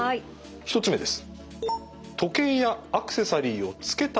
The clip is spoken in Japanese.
１つ目です。